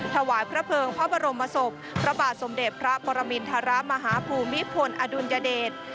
ถวายพระเภิงพระบรมศพพระบาทสมเด็จพระปรมินทรมาฮภูมิพลอดุลยเดช